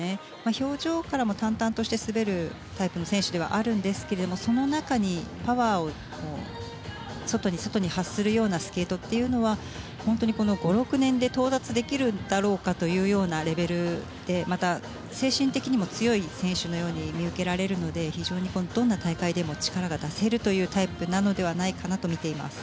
氷上からも淡々として滑るタイプの選手ではあるんですがその中にパワーを外に外に発するようなスケートというのは本当に５６年で到達できるだろうかというレベルでまた、精神的にも強い選手のようにも見受けられるので非常にどんな大会でも力が出せるというタイプなのではないかなと見ています。